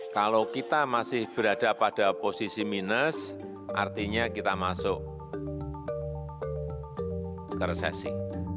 kalau kita masih berada pada posisi minus artinya kita masuk ke resesi